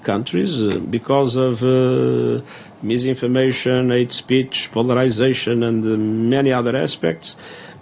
karena penyelidikan penyelidikan polarisasi dan banyak aspek lain